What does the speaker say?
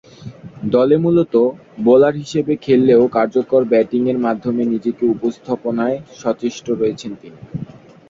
দলে মূলতঃ বোলার হিসেবে খেললেও কার্যকর ব্যাটিংয়ের মাধ্যমে নিজেকে উপস্থাপনায় সচেষ্ট রয়েছেন তিনি।